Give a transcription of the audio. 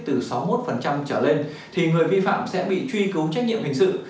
từ sáu mươi một trở lên thì người vi phạm sẽ bị truy cứu trách nhiệm hình sự